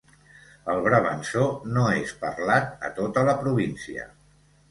El brabançó no és parlat a tota la província.